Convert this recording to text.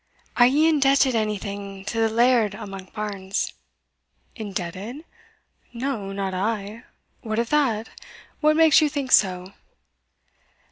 "Are ye indebted onything to the Laird o' Monkbarns?" "Indebted! no, not I what of that? what makes you think so?"